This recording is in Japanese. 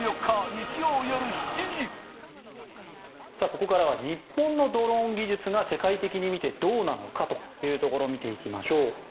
ここからは日本のドローン技術が世界的に見てどうなのかというところを見ていきましょう。